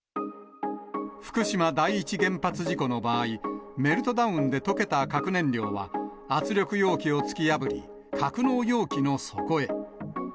福島第一原発事故の場合、メルトダウンで溶けた核燃料は、圧力容器を突き破り、格納容器の底へ。